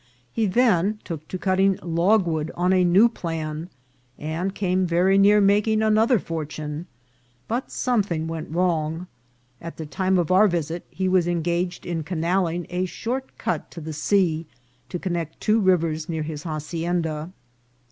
He then took to cutting log wood on a new plan, and came very near making an other fortune, but something went wrong. At the time of our visit he was engaged in canalling a short cut to the sea, to connect two rivers near his hacienda.